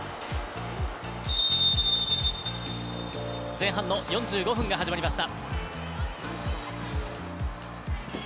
前半の４５分が始まりました。